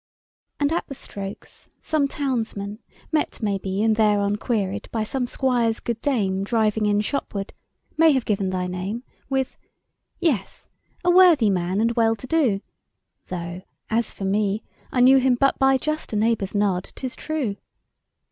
And at the strokes some townsman (met, maybe, And thereon queried by some squire's good dame Driving in shopward) may have given thy name, With, "Yes, a worthy man and well to do; Though, as for me, I knew him but by just a neighbour's nod, 'tis true.